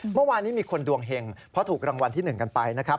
เมื่อวานนี้มีคนดวงเห็งเพราะถูกรางวัลที่๑กันไปนะครับ